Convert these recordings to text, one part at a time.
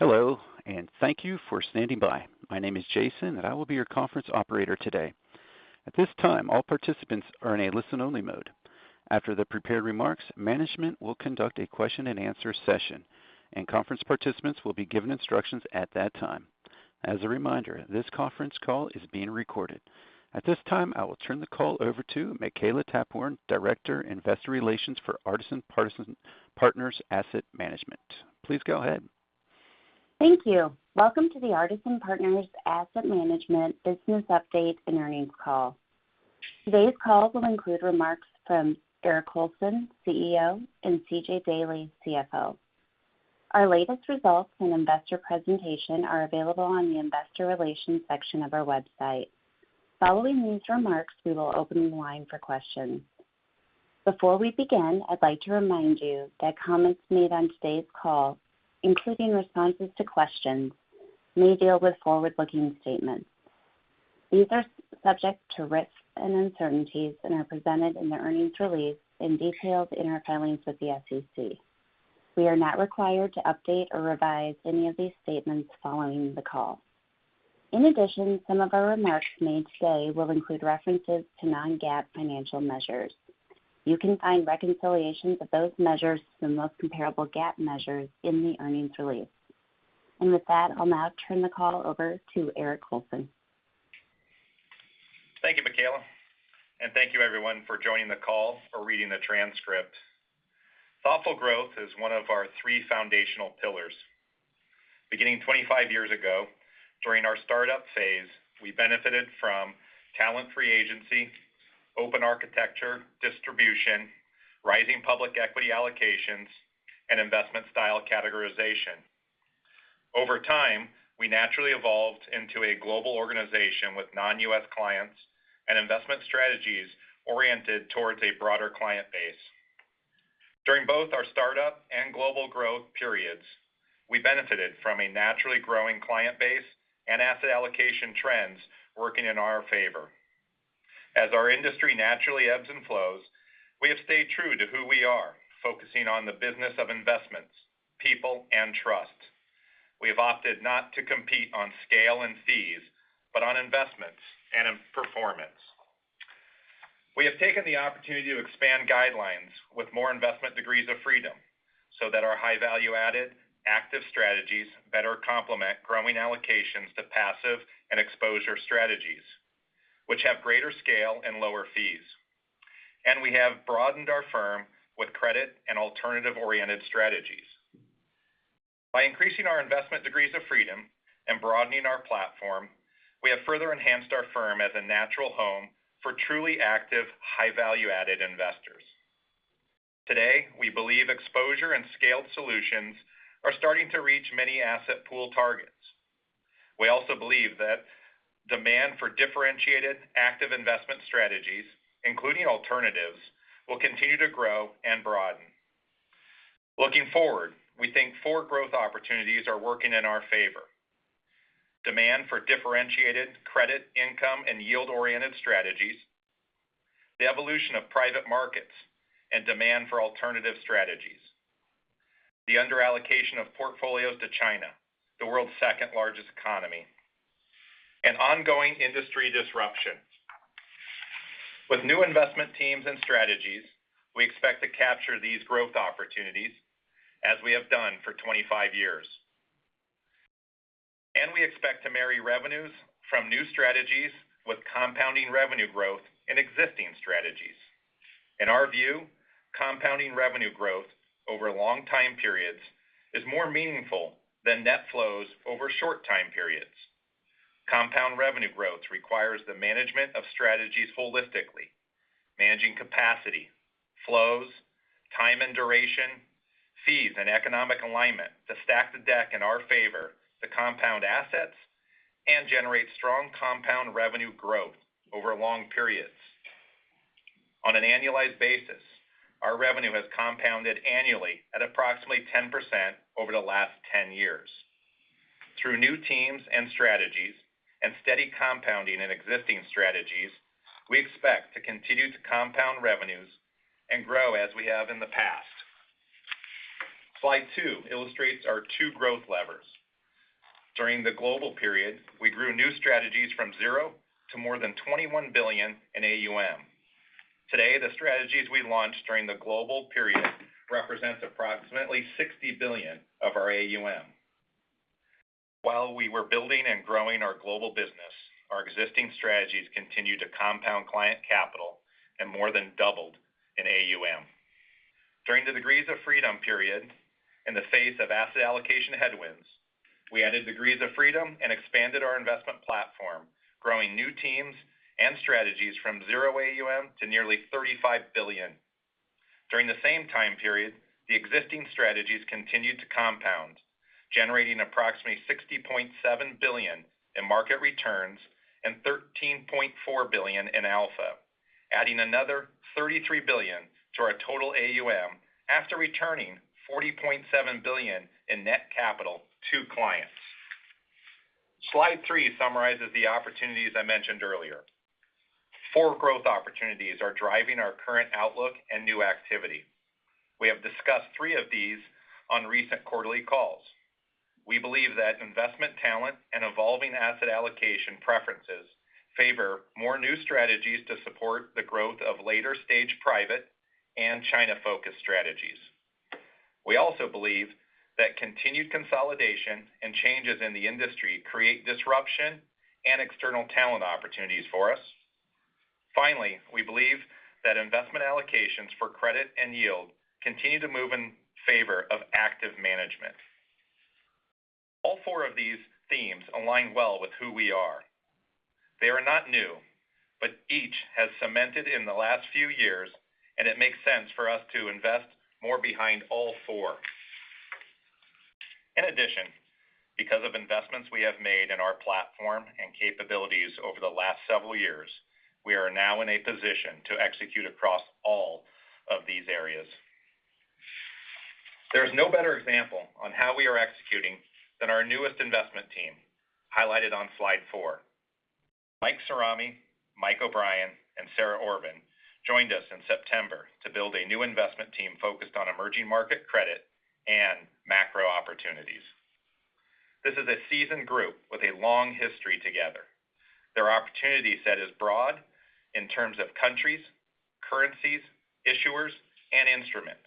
Hello, and thank you for standing by. My name is Jason, and I will be your conference operator today. At this time, all participants are in a listen-only mode. After the prepared remarks, management will conduct a question-and-answer session, and conference participants will be given instructions at that time. As a reminder, this conference call is being recorded. At this time, I will turn the call over to Makela Taphorn, Director, Investor Relations for Artisan Partners Asset Management. Please go ahead. Thank you. Welcome to the Artisan Partners Asset Management Business Update and Earnings Call. Today's call will include remarks from Eric Colson, CEO, and C.J. Daley, CFO. Our latest results and investor presentation are available on the Investor Relations section of our website. Following these remarks, we will open the line for questions. Before we begin, I'd like to remind you that comments made on today's call, including responses to questions, may deal with forward-looking statements. These are subject to risks and uncertainties and are presented in the earnings release and detailed in our filings with the SEC. We are not required to update or revise any of these statements following the call. In addition, some of our remarks made today will include references to non-GAAP financial measures. You can find reconciliations of those measures to the most comparable GAAP measures in the earnings release. With that, I'll now turn the call over to Eric Colson. Thank you, Makela. Thank you everyone for joining the call or reading the transcript. Thoughtful growth is one of our three foundational pillars. Beginning 25 years ago, during our startup phase, we benefited from talent-free agency, open architecture, distribution, rising public equity allocations, and investment style categorization. Over time, we naturally evolved into a global organization with non-U.S. clients and investment strategies oriented towards a broader client base. During both our startup and global growth periods, we benefited from a naturally growing client base and asset allocation trends working in our favor. As our industry naturally ebbs and flows, we have stayed true to who we are, focusing on the business of investments, people, and trust. We have opted not to compete on scale and fees, but on investments and in performance. We have taken the opportunity to expand guidelines with more investment Degrees of Freedom so that our high value-added active strategies better complement growing allocations to passive and exposure strategies, which have greater scale and lower fees. We have broadened our firm with credit and alternative-oriented strategies. By increasing our investment Degrees of Freedom and broadening our platform, we have further enhanced our firm as a natural home for truly active, high value-added investors. Today, we believe exposure and scaled solutions are starting to reach many asset pool targets. We also believe that demand for differentiated active investment strategies, including alternatives, will continue to grow and broaden. Looking forward, we think four growth opportunities are working in our favor. Demand for differentiated credit, income, and yield-oriented strategies. The evolution of private markets and demand for alternative strategies. The under-allocation of portfolios to China, the world's second-largest economy. Ongoing industry disruption. With new investment teams and strategies, we expect to capture these growth opportunities as we have done for 25 years. We expect to marry revenues from new strategies with compounding revenue growth in existing strategies. In our view, compounding revenue growth over long time periods is more meaningful than net flows over short time periods. Compound revenue growth requires the management of strategies holistically, managing capacity, flows, time and duration, fees, and economic alignment to stack the deck in our favor to compound assets and generate strong compound revenue growth over long periods. On an annualized basis, our revenue has compounded annually at approximately 10% over the last 10 years. Through new teams and strategies and steady compounding in existing strategies, we expect to continue to compound revenues and grow as we have in the past. Slide two illustrates our two growth levers. During the global period, we grew new strategies from zero to more than 21 billion in AUM. Today, the strategies we launched during the global period represents approximately 60 billion of our AUM. While we were building and growing our global business, our existing strategies continued to compound client capital and more than doubled in AUM. During the Degrees of Freedom period, in the face of asset allocation headwinds, we added degrees of freedom and expanded our investment platform, growing new teams and strategies from zero AUM to nearly 35 billion. During the same time period, the existing strategies continued to compound, generating approximately 60.7 billion in market returns and 13.4 billion in alpha, adding another 33 billion to our total AUM after returning 40.7 billion in net capital to clients. Slide three summarizes the opportunities I mentioned earlier. Four growth opportunities are driving our current outlook and new activity. We have discussed three of these on recent quarterly calls. We believe that investment talent and evolving asset allocation preferences favor more new strategies to support the growth of later-stage private and China-focused strategies. We also believe that continued consolidation and changes in the industry create disruption and external talent opportunities for us. Finally, we believe that investment allocations for credit and yield continue to move in favor of active management. All four of these themes align well with who we are. They are not new, but each has cemented in the last few years, and it makes sense for us to invest more behind all four. In addition, because of investments we have made in our platform and capabilities over the last several years, we are now in a position to execute across all of these areas. There is no better example on how we are executing than our newest investment team, highlighted on slide four. Mike Cirami, Mike O'Brien, and Sarah Orvin joined us in September to build a new investment team focused on Emerging Market Credit and macro opportunities. This is a seasoned group with a long history together. Their opportunity set is broad in terms of countries, currencies, issuers, and instruments.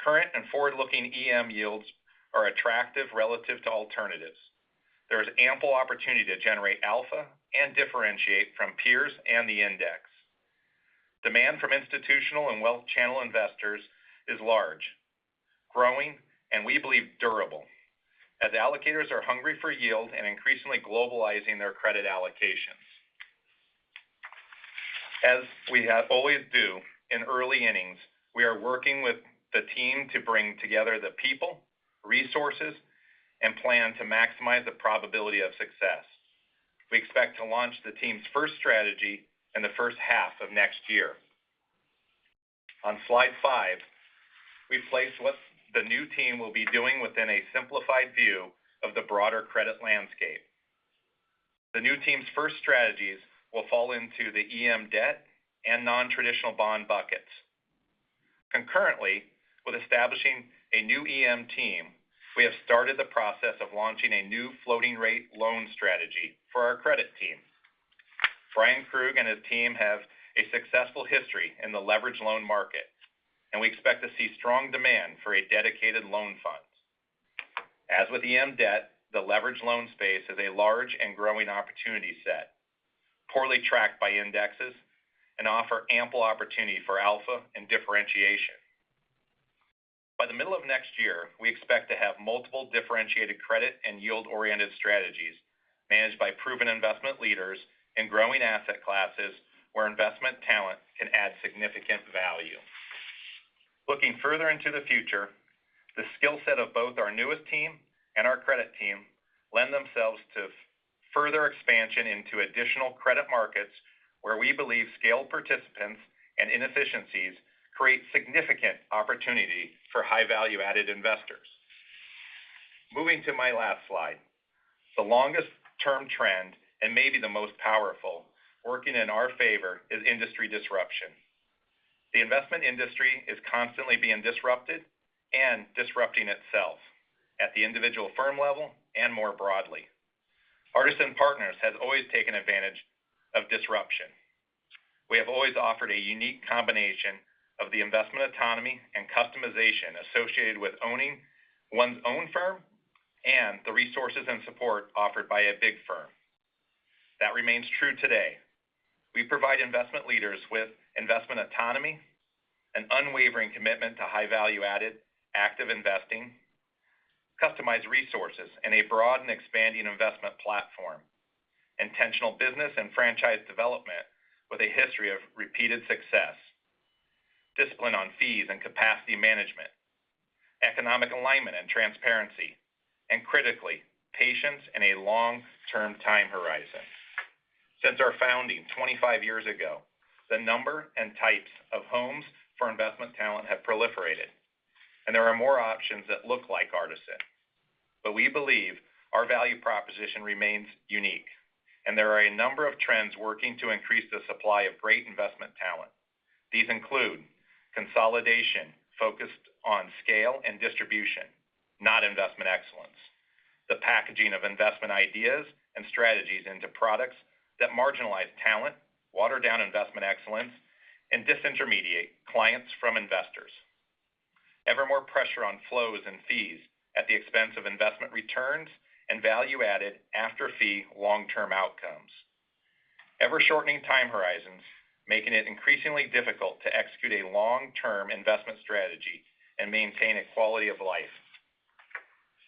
Current and forward-looking EM yields are attractive relative to alternatives. There is ample opportunity to generate alpha and differentiate from peers and the index. Demand from institutional and wealth channel investors is large, growing, and we believe durable, as allocators are hungry for yield and increasingly globalizing their credit allocations. As we always do in early innings, we are working with the team to bring together the people, resources, and plan to maximize the probability of success. We expect to launch the team's first strategy in the first half of next year. On slide five, we place what the new team will be doing within a simplified view of the broader credit landscape. The new team's first strategies will fall into the EM debt and non-traditional bond buckets. Concurrently with establishing a new EM team, we have started the process of launching a new floating rate loan strategy for our credit team. Bryan Krug and his team have a successful history in the leveraged loan market, and we expect to see strong demand for a dedicated loan fund. As with EM debt, the leveraged loan space is a large and growing opportunity set, poorly tracked by indexes, and offer ample opportunity for alpha and differentiation. By the middle of next year, we expect to have multiple differentiated credit and yield-oriented strategies managed by proven investment leaders in growing asset classes where investment talent can add significant value. Looking further into the future, the skill set of both our newest team and our credit team lend themselves to further expansion into additional credit markets where we believe scaled participants and inefficiencies create significant opportunity for high value-added investors. Moving to my last slide. The longest-term trend, and maybe the most powerful, working in our favor is industry disruption. The investment industry is constantly being disrupted and disrupting itself at the individual firm level and more broadly. Artisan Partners has always taken advantage of disruption. We have always offered a unique combination of the investment autonomy and customization associated with owning one's own firm and the resources and support offered by a big firm. That remains true today. We provide investment leaders with investment autonomy, an unwavering commitment to high value-added active investing, customized resources, and a broad and expanding investment platform, intentional business and franchise development with a history of repeated success, discipline on fees and capacity management, economic alignment and transparency, and critically, patience and a long-term time horizon. Since our founding 25 years ago, the number and types of homes for investment talent have proliferated, and there are more options that look like Artisan. We believe our value proposition remains unique, and there are a number of trends working to increase the supply of great investment talent. These include consolidation focused on scale and distribution, not investment excellence. The packaging of investment ideas and strategies into products that marginalize talent, water down investment excellence, and disintermediate clients from investors. Ever more pressure on flows and fees at the expense of investment returns and value-added after-fee long-term outcomes. Ever-shortening time horizons, making it increasingly difficult to execute a long-term investment strategy and maintain a quality of life.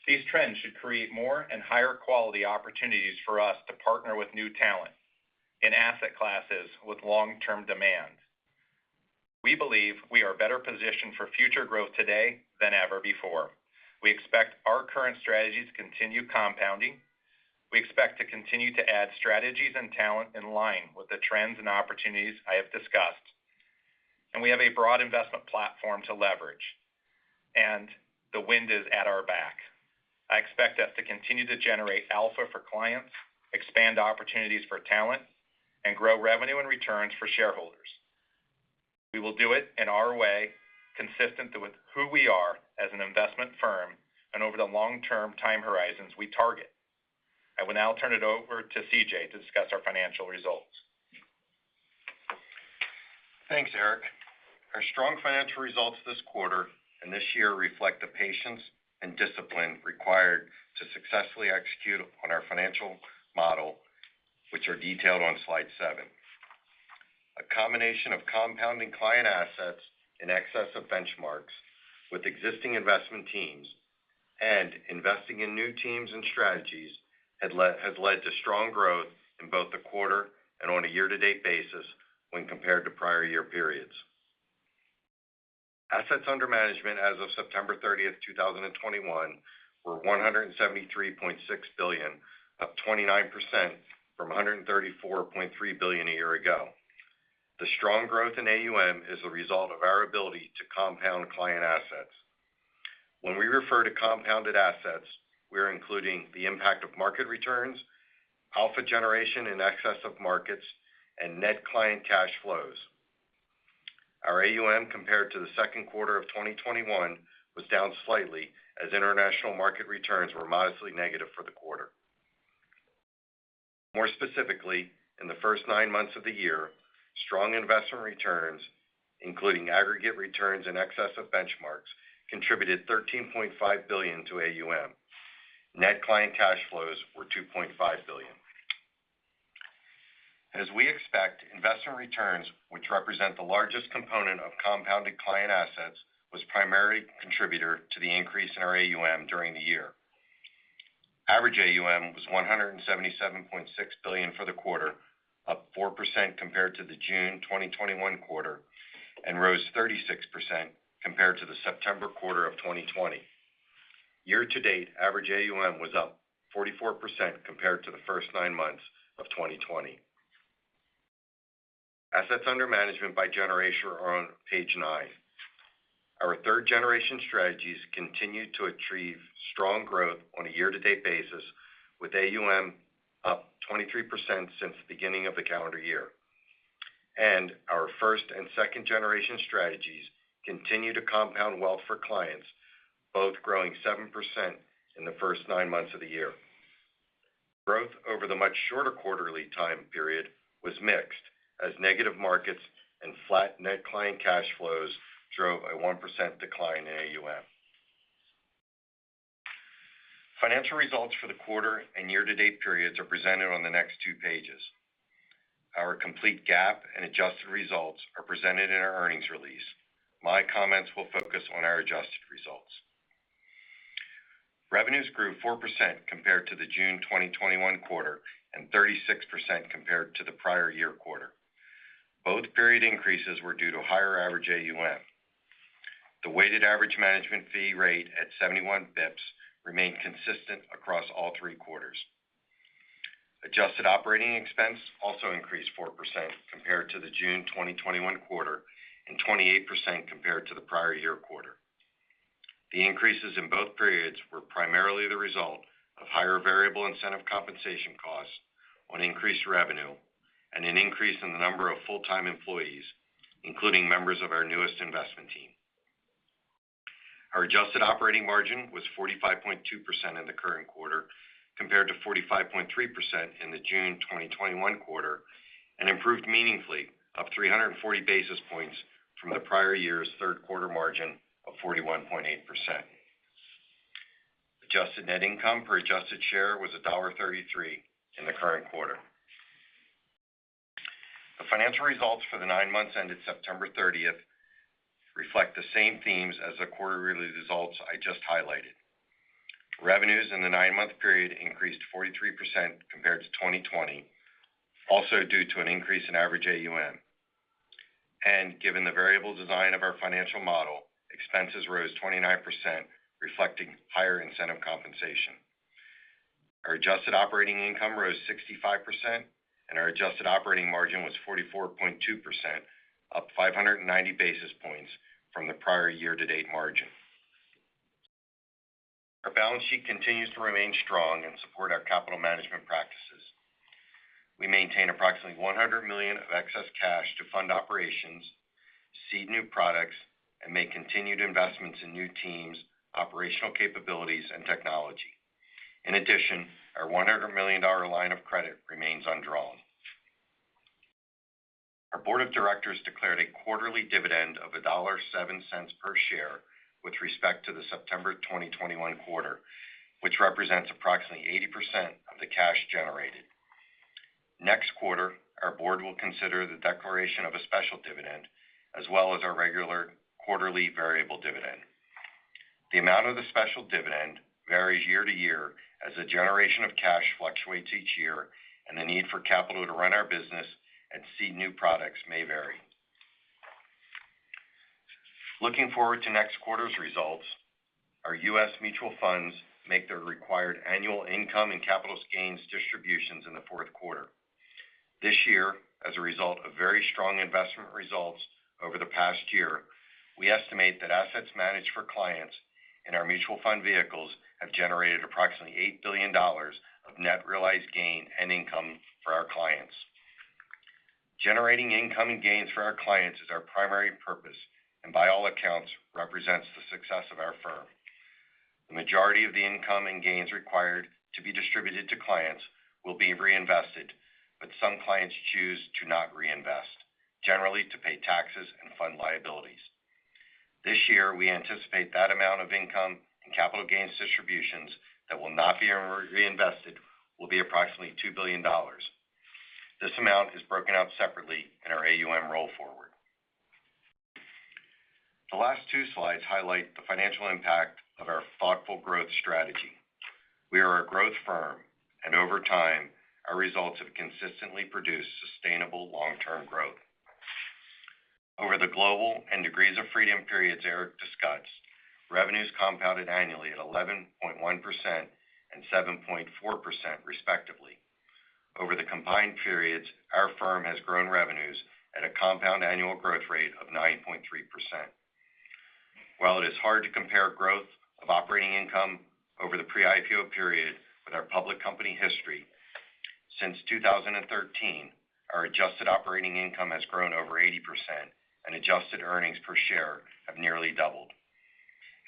These trends should create more and higher quality opportunities for us to partner with new talent in asset classes with long-term demand. We believe we are better positioned for future growth today than ever before. We expect our current strategies to continue compounding. We expect to continue to add strategies and talent in line with the trends and opportunities I have discussed. We have a broad investment platform to leverage, and the wind is at our back. I expect us to continue to generate alpha for clients, expand opportunities for talent, and grow revenue and returns for shareholders. We will do it in our way, consistent with who we are as an investment firm and over the long-term time horizons we target. I will now turn it over to C.J. to discuss our financial results. Thanks, Eric. Our strong financial results this quarter and this year reflect the patience and discipline required to successfully execute on our financial model, which are detailed on slide seven. A combination of compounding client assets in excess of benchmarks with existing investment teams and investing in new teams and strategies has led to strong growth in both the quarter and on a year-to-date basis when compared to prior year periods. Assets under management as of September 30, 2021 were $173.6 billion, up 29% from $134.3 billion a year ago. The strong growth in AUM is a result of our ability to compound client assets. When we refer to compounded assets, we are including the impact of market returns, alpha generation in excess of markets, and net client cash flows. Our AUM compared to the second quarter of 2021 was down slightly as international market returns were modestly negative for the quarter. More specifically, in the first nine months of the year, strong investment returns, including aggregate returns in excess of benchmarks, contributed 13.5 billion to AUM. Net client cash flows were 2.5 billion. As we expect, investment returns, which represent the largest component of compounded client assets, was primary contributor to the increase in our AUM during the year. Average AUM was 177.6 billion for the quarter, up 4% compared to the June 2021 quarter, and rose 36% compared to the September quarter of 2020. Year-to-date, average AUM was up 44% compared to the first nine months of 2020. Assets under management by generation are on page nine. Our third generation strategies continued to achieve strong growth on a year-to-date basis, with AUM up 23% since the beginning of the calendar year. Our first and second generation strategies continue to compound wealth for clients, both growing 7% in the first nine months of the year. Growth over the much shorter quarterly time period was mixed as negative markets and flat net client cash flows drove a 1% decline in AUM. Financial results for the quarter and year-to-date periods are presented on the next two pages. Our complete GAAP and adjusted results are presented in our earnings release. My comments will focus on our adjusted results. Revenues grew 4% compared to the June 2021 quarter and 36% compared to the prior year quarter. Both period increases were due to higher average AUM. The weighted average management fee rate at 71 bps remained consistent across all three quarters. Adjusted operating expense also increased 4% compared to the June 2021 quarter and 28% compared to the prior year quarter. The increases in both periods were primarily the result of higher variable incentive compensation costs on increased revenue and an increase in the number of full-time employees, including members of our newest investment team. Our adjusted operating margin was 45.2% in the current quarter, compared to 45.3% in the June 2021 quarter, and improved meaningfully by 340 basis points from the prior year's Q3 margin of 41.8%. Adjusted net income per adjusted share was 1.33 in the current quarter. The financial results for the nine months ended September 30 reflect the same themes as the quarterly results I just highlighted. Revenues in the nine-month period increased 43% compared to 2020, also due to an increase in average AUM. Given the variable design of our financial model, expenses rose 29%, reflecting higher incentive compensation. Our adjusted operating income rose 65%, and our adjusted operating margin was 44.2%, up 590 basis points from the prior year-to-date margin. Our balance sheet continues to remain strong and support our capital management practices. We maintain approximately 100 million of excess cash to fund operations, seed new products, and make continued investments in new teams, operational capabilities and technology. In addition, our 100 million line of credit remains undrawn. Our board of directors declared a quarterly dividend of $1.07 per share with respect to the September 2021 quarter, which represents approximately 80% of the cash generated. Next quarter, our board will consider the declaration of a special dividend, as well as our regular quarterly variable dividend. The amount of the special dividend varies year to year as the generation of cash fluctuates each year and the need for capital to run our business and seed new products may vary. Looking forward to next quarter's results, our U.S. mutual funds make their required annual income and capital gains distributions in the Q4. This year, as a result of very strong investment results over the past year, we estimate that assets managed for clients in our mutual fund vehicles have generated approximately $8 billion of net realized gain and income for our clients. Generating income and gains for our clients is our primary purpose, and by all accounts represents the success of our firm. The majority of the income and gains required to be distributed to clients will be reinvested, but some clients choose to not reinvest, generally to pay taxes and fund liabilities. This year, we anticipate that amount of income and capital gains distributions that will not be reinvested will be approximately $2 billion. This amount is broken out separately in our AUM roll forward. The last two slides highlight the financial impact of our thoughtful growth strategy. We are a growth firm, and over time, our results have consistently produced sustainable long-term growth. Over the global and degrees of freedom periods Eric discussed, revenues compounded annually at 11.1% and 7.4% respectively. Over the combined periods, our firm has grown revenues at a compound annual growth rate of 9.3%. While it is hard to compare growth of operating income over the pre-IPO period with our public company history, since 2013, our adjusted operating income has grown over 80% and adjusted earnings per share have nearly doubled.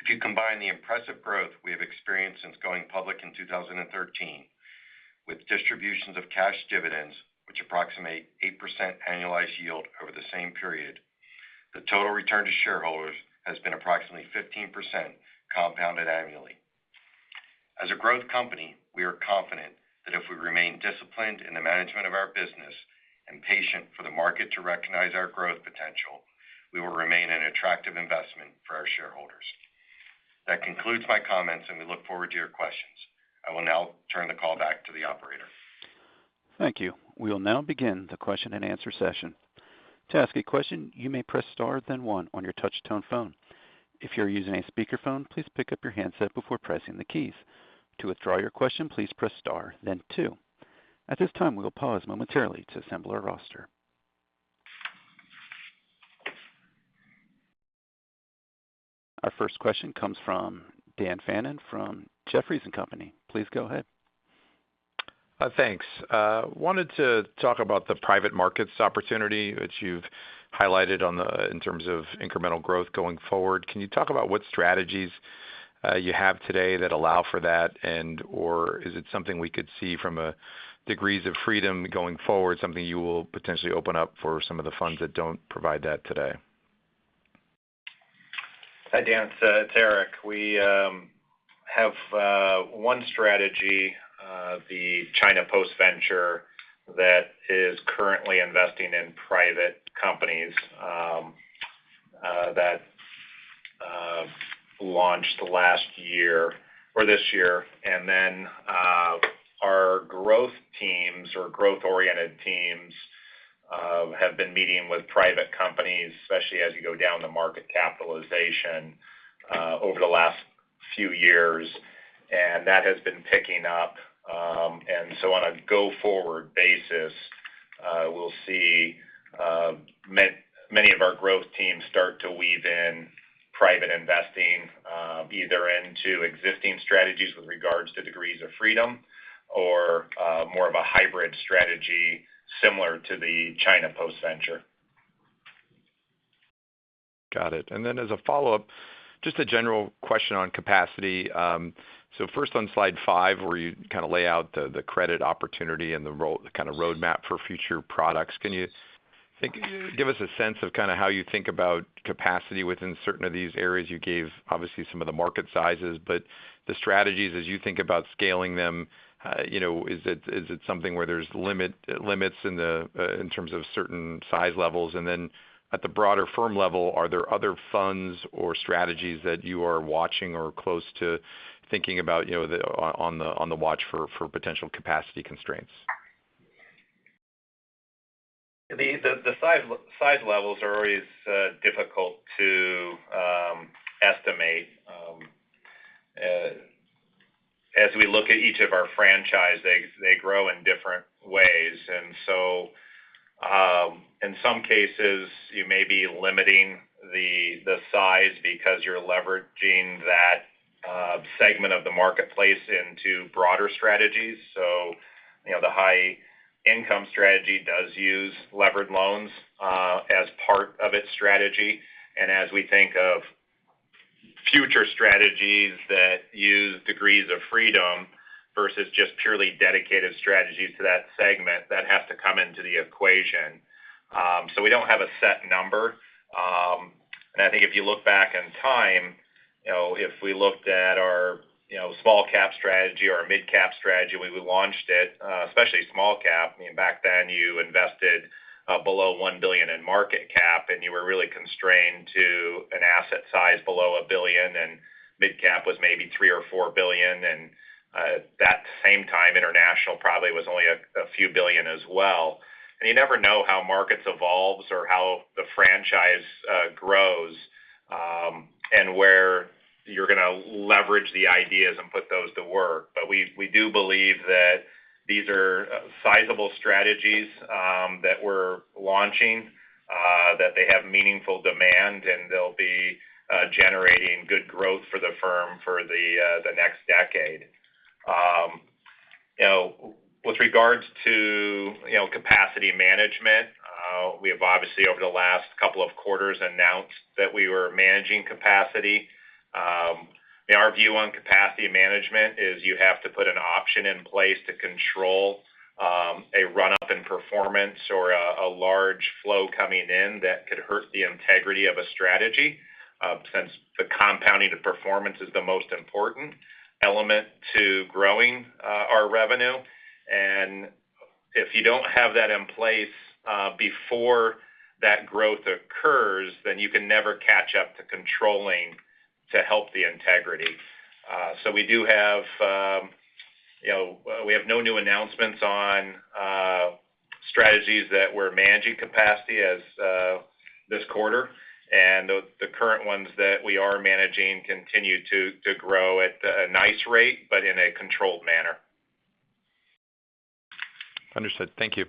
If you combine the impressive growth we have experienced since going public in 2013 with distributions of cash dividends, which approximate 8% annualized yield over the same period, the total return to shareholders has been approximately 15% compounded annually. As a growth company, we are confident that if we remain disciplined in the management of our business and patient for the market to recognize our growth potential, we will remain an attractive investment for our shareholders. That concludes my comments, and we look forward to your questions. I will now turn the call back to the operator. Thank you. We will now begin the question-and-answer session. To ask a question, you may press star, then one on your touch-tone phone. If you're using a speakerphone, please pick up your handset before pressing the keys. To withdraw your question, please press star then two. At this time, we will pause momentarily to assemble our roster. Our first question comes from Daniel Fannon from Jefferies. Please go ahead. I wanted to talk about the private markets opportunity that you've highlighted in terms of incremental growth going forward. Can you talk about what strategies you have today that allow for that, or is it something we could see from a Degrees of Freedom going forward, something you will potentially open up for some of the funds that don't provide that today? Hi, Dan. It's Eric. We have one strategy, the China Post-Venture that is currently investing in private companies, that launched last year or this year. Our growth teams or growth-oriented teams have been meeting with private companies, especially as you go down the market capitalization, over the last few years, and that has been picking up. On a go-forward basis, we'll see many of our growth teams start to weave in private investing, either into existing strategies with regards to degrees of freedom or more of a hybrid strategy similar to the China Post-Venture. Got it. As a follow-up, just a general question on capacity. First on slide five, where you kind of lay out the Credit Opportunities and kind of roadmap for future products. Can you give us a sense of kind of how you think about capacity within certain of these areas? You gave, obviously, some of the market sizes, but the strategies as you think about scaling them, you know, is it something where there's limits in terms of certain size levels? At the broader firm level, are there other funds or strategies that you are watching or close to thinking about, you know, on the watch for potential capacity constraints? The size levels are always difficult to estimate. As we look at each of our franchise, they grow in different ways. In some cases, you may be limiting the size because you're leveraging that segment of the marketplace into broader strategies. You know, the High Income strategy does use leveraged loans as part of its strategy. As we think of future strategies that use Degrees of Freedom versus just purely dedicated strategies to that segment, that has to come into the equation. We don't have a set number. I think if you look back in time, you know, if we looked at our you know small cap strategy or mid cap strategy when we launched it, especially small cap, I mean, back then you invested below 1 billion in market cap, and you were really constrained to an asset size below 1 billion, and mid cap was maybe 3 or 4 billion. That same time, international probably was only a few billion as well. You never know how markets evolves or how the franchise grows, and where you're gonna leverage the ideas and put those to work. We do believe that these are sizable strategies that we're launching that they have meaningful demand, and they'll be generating good growth for the firm for the next decade. You know, with regards to capacity management, we have obviously, over the last couple of quarters, announced that we were managing capacity. Our view on capacity management is you have to put an option in place to control a run-up in performance or a large flow coming in that could hurt the integrity of a strategy, since the compounding of performance is the most important element to growing our revenue. If you don't have that in place before that growth occurs, then you can never catch up to controlling to help the integrity. We have no new announcements on strategies that we're managing capacity in this quarter. The current ones that we are managing continue to grow at a nice rate, but in a controlled manner. Understood. Thank you.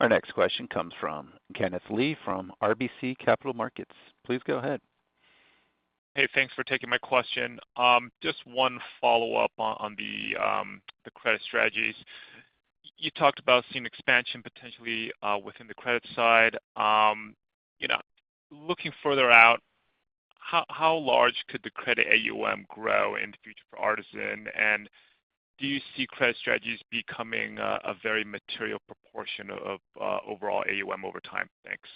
Our next question comes from Kenneth S. Lee from RBC Capital Markets. Please go ahead. Hey, thanks for taking my question. Just one follow-up on the credit strategies. You talked about seeing expansion potentially within the credit side. You know, looking further out, how large could the credit AUM grow in the future for Artisan? Do you see credit strategies becoming a very material proportion of overall AUM over time? Thanks.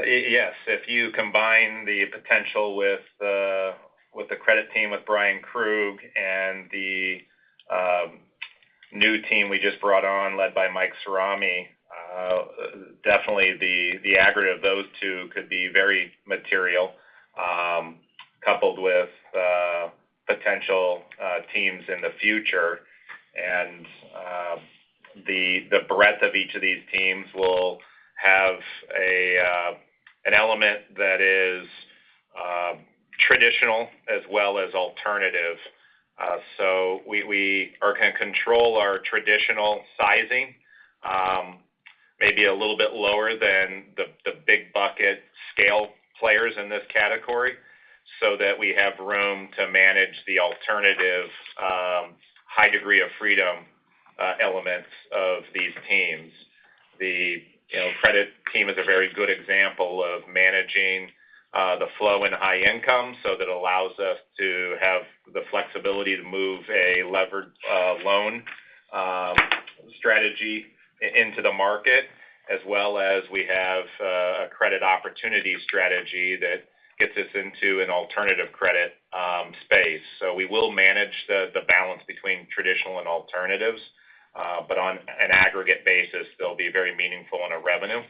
Yes. If you combine the potential with the credit team, with Bryan Krug and the new team we just brought on, led by Mike Cirami, definitely the aggregate of those two could be very material, coupled with potential teams in the future. The breadth of each of these teams will have an element that is traditional as well as alternative. We can control our traditional sizing, maybe a little bit lower than the big bucket scale players in this category, so that we have room to manage the alternative high degree of freedom elements of these teams. You know, the credit team is a very good example of managing the flow in High Income, so that allows us to have the flexibility to move a leveraged loan strategy into the market, as well as we have a Credit Opportunities strategy that gets us into an alternative credit space. We will manage the balance between traditional and alternatives. But on an aggregate basis, they'll be very meaningful on our revenue.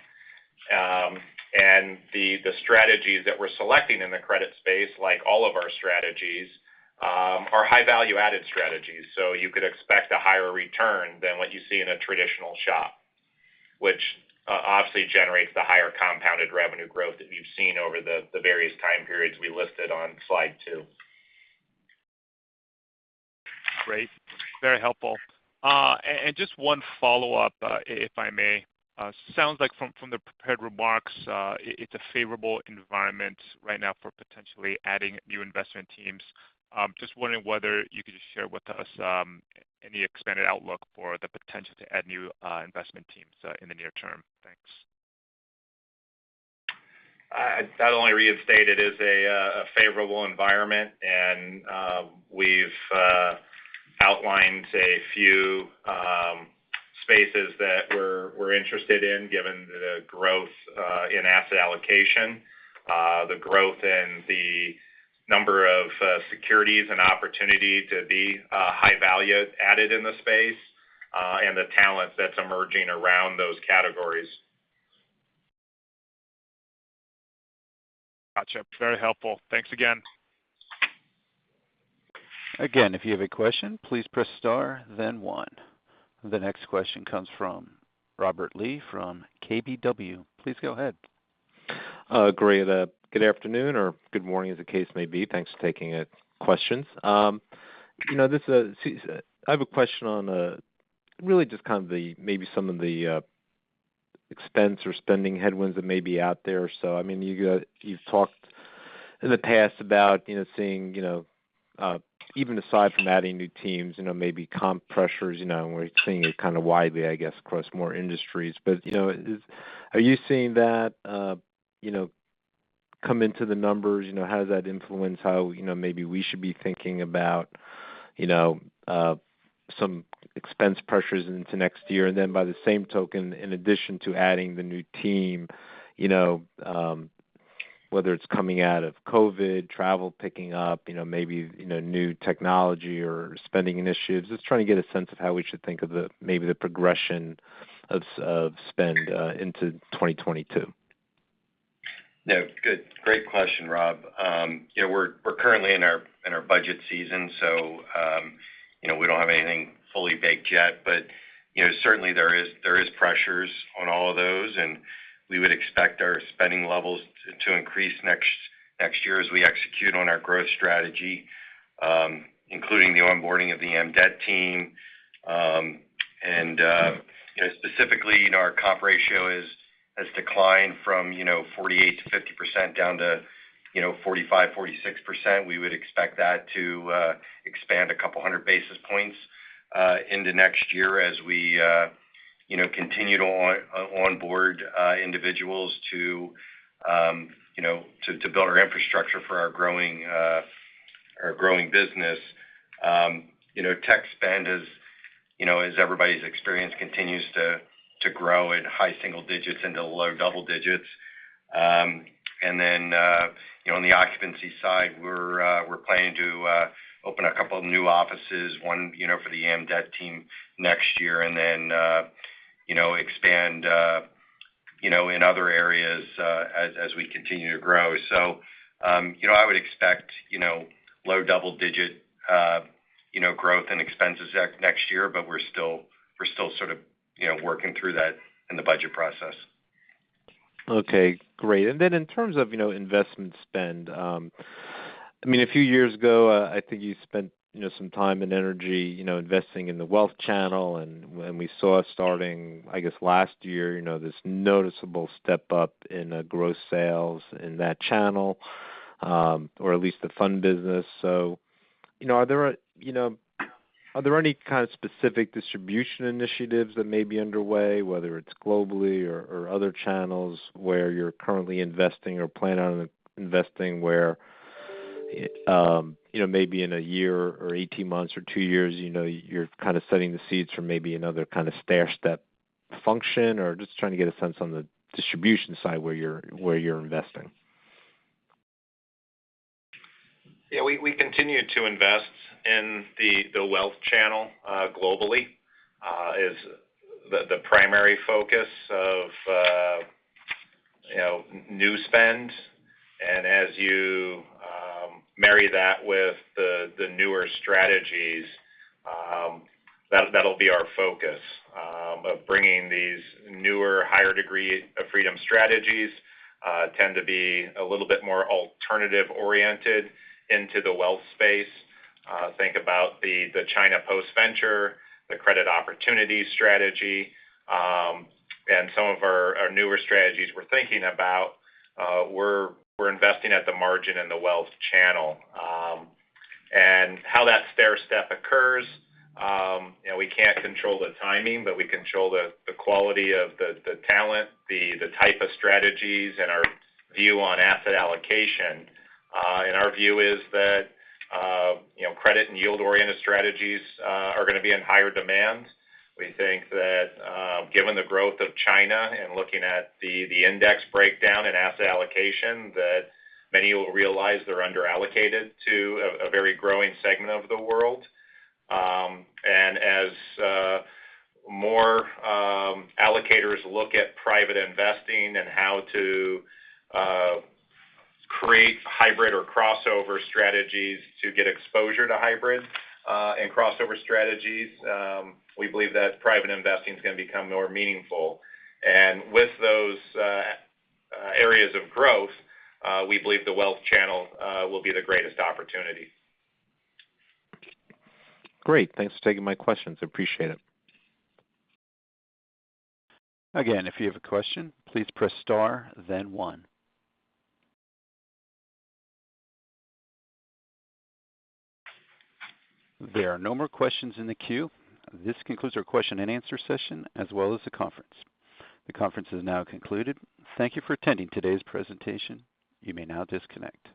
The strategies that we're selecting in the credit space, like all of our strategies, are high value-added strategies. You could expect a higher return than what you see in a traditional shop, which obviously generates the higher compounded revenue growth that you've seen over the various time periods we listed on slide two. Great. Very helpful. Just one follow-up, if I may. Sounds like from the prepared remarks, it's a favorable environment right now for potentially adding new investment teams. Just wondering whether you could just share with us any expanded outlook for the potential to add new investment teams in the near term. Thanks. I'd only reinstate it in a favorable environment, and we've outlined a few spaces that we're interested in given the growth in asset allocation, the growth in the number of securities and opportunity to be high value added in the space, and the talent that's emerging around those categories. Gotcha. Very helpful. Thanks again. Again, if you have a question, please press star then one. The next question comes from Robert Lee from KBW. Please go ahead. Great. Good afternoon or good morning, as the case may be. Thanks for taking the questions. You know, this, I have a question on, really just kind of the, maybe some of the, expense or spending headwinds that may be out there. I mean, you've talked in the past about, you know, seeing, even aside from adding new teams, you know, maybe comp pressures, you know, and we're seeing it kind of widely, I guess, across more industries. You know, are you seeing that, you know, come into the numbers? You know, how does that influence how, you know, maybe we should be thinking about, you know, some expense pressures into next year? By the same token, in addition to adding the new team, you know, whether it's coming out of COVID, travel picking up, you know, maybe, you know, new technology or spending initiatives. Just trying to get a sense of how we should think of the, maybe the progression of spend into 2022. No, good. Great question, Rob. Yeah, we're currently in our budget season, so you know, we don't have anything fully baked yet. You know, certainly there is pressures on all of those, and we would expect our spending levels to increase next year as we execute on our growth strategy, including the onboarding of the EM Debt team. You know, specifically in our comp ratio has declined from 48%-50% down to 45%-46%. We would expect that to expand a couple hundred basis points into next year as we you know, continue to onboard individuals to build our infrastructure for our growing business. You know, tech spend is, you know, as everybody's experience continues to grow at high single digits into low double digits. You know, on the occupancy side, we're planning to open a couple of new offices, one, you know, for the EM Debt team next year, and then, you know, expand, you know, in other areas, as we continue to grow. You know, I would expect, you know, low double digit, you know, growth and expenses next year, but we're still sort of, you know, working through that in the budget process. Okay, great. In terms of, you know, investment spend, I mean, a few years ago, I think you spent, you know, some time and energy, you know, investing in the wealth channel. When we saw starting, I guess, last year, you know, this noticeable step up in, gross sales in that channel, or at least the fund business. You know, are there, you know, are there any kind of specific distribution initiatives that may be underway, whether it's globally or other channels where you're currently investing or plan on investing where, you know, maybe in a year or 18 months or two years, you know, you're kind of setting the seeds for maybe another kind of stair-step function? Just trying to get a sense on the distribution side where you're investing. Yeah. We continue to invest in the wealth channel globally is the primary focus of you know new spend. As you marry that with the newer strategies, that'll be our focus of bringing these newer higher degree of freedom strategies tend to be a little bit more alternative oriented into the wealth space. Think about the China Post-Venture, the Credit Opportunities strategy, and some of our newer strategies we're thinking about, we're investing at the margin in the wealth channel. How that stair-step occurs, you know, we can't control the timing, but we control the quality of the talent, the type of strategies and our view on asset allocation. Our view is that, you know, credit and yield-oriented strategies are gonna be in higher demand. We think that, given the growth of China and looking at the index breakdown in asset allocation, that many will realize they're under-allocated to a very growing segment of the world. As more allocators look at private investing and how to create hybrid or crossover strategies to get exposure to hybrid and crossover strategies, we believe that private investing is gonna become more meaningful. With those areas of growth, we believe the wealth channel will be the greatest opportunity. Great. Thanks for taking my questions. Appreciate it. Again, if you have a question, please press star then one. There are no more questions in the queue. This concludes our question and answer session, as well as the conference. The conference is now concluded. Thank you for attending today's presentation. You may now disconnect.